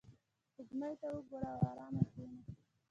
• سپوږمۍ ته وګوره او آرامه کښېنه.